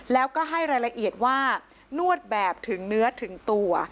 แล้วก็ให้รายละเอียดว่านวดแบบถึงเนื้อถึงตัว